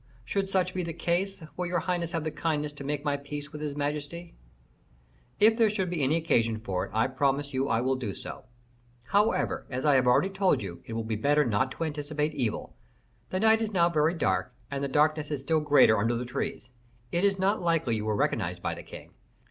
Should such be the case, will your highness have the kindness to make my peace with his majesty?" "If there should be any occasion for it, I promise you I will do so. However, as I have already told you, it will be better not to anticipate evil. The night is now very dark, and the darkness is still greater under the trees. It is not likely you were recognized by the king.